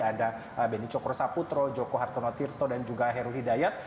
ada beni cokro saputro joko hartono tirto dan juga heru hidayat